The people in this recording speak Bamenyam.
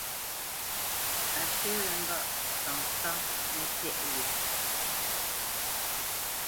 A swe wé ŋgâʼ sasá mətéʼ ye.